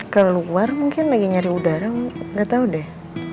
keluar mungkin lagi nyari udara nggak tahu deh